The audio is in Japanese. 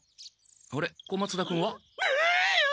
あれ小松田君は？